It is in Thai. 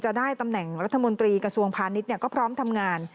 จะได้ตำแหน่งรัฐมนตรีกระทรวงพาณิชย์ก็พร้อมทำงาน